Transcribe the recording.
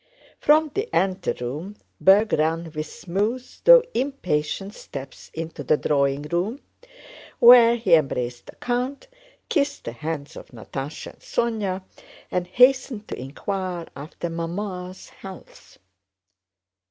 From the anteroom Berg ran with smooth though impatient steps into the drawing room, where he embraced the count, kissed the hands of Natásha and Sónya, and hastened to inquire after "Mamma's" health.